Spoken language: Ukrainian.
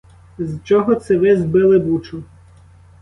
З чого це ви збили бучу?